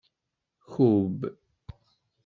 Kubb.